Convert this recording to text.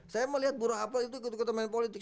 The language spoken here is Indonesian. saya melihat burohapot itu ikut ikutan main politik